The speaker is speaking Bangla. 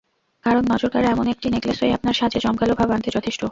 কারণ, নজরকাড়া এমন একটি নেকলেসই আপনার সাজে জমকালো ভাব আনতে যথেষ্ট।